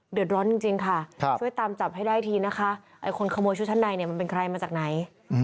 ร้อนจริงค่ะช่วยตามจับให้ได้ทีนะคะไอ้คนขโมยชุดชั้นในเนี่ยมันเป็นใครมาจากไหน